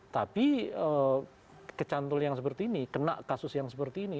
tapi kecantul yang seperti ini kena kasus yang seperti ini